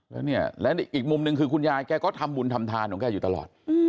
แล้วเนี่ยและอีกมุมหนึ่งคือคุณยายแกก็ทำบุญทำทานของแกอยู่ตลอด